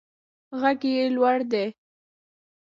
غږ یې لوړ دی.